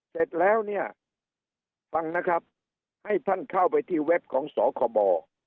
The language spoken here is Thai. เสร็จแล้วเนี่ยฟังนะครับให้ท่านเข้าไปที่เว็บของสคบ